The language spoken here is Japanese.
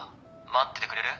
待っててくれる？